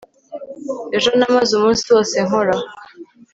ejo namaze umunsi wose nkora